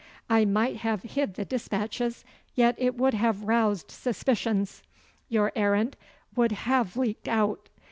I might have hid the despatches, yet it would have roused suspicions. Your errand would have leaked out.